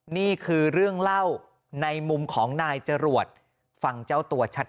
นี่คือเรื่องเล่าในมุมของนายจรวดฟังเจ้าตัวชัด